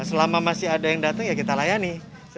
selama masih ada yang datang ya kita layani